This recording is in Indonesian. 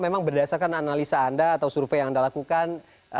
memang berdasarkan analisa anda atau survei yang anda lakukan